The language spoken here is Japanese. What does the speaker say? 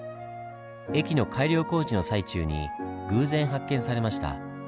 駅の改良工事の最中に偶然発見されました。